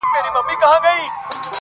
ژ